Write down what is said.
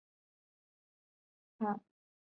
帕尔梅兰蒂是巴西托坎廷斯州的一个市镇。